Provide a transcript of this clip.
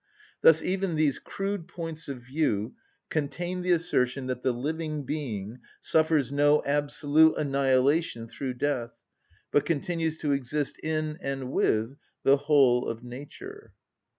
Thus even these crude points of view contain the assertion that the living being suffers no absolute annihilation through death, but continues to exist in and with the whole of nature.